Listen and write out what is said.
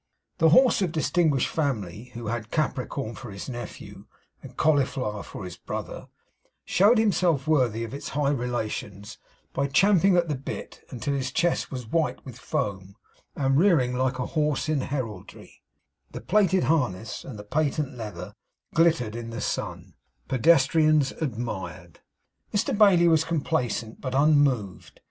The horse of distinguished family, who had Capricorn for his nephew, and Cauliflower for his brother, showed himself worthy of his high relations by champing at the bit until his chest was white with foam, and rearing like a horse in heraldry; the plated harness and the patent leather glittered in the sun; pedestrians admired; Mr Bailey was complacent, but unmoved.